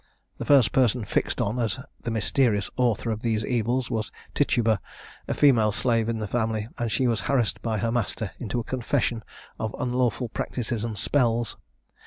The first person fixed on as the mysterious author of these evils, was Tituba, a female slave in the family, and she was harassed by her master into a confession of unlawful practices and spells.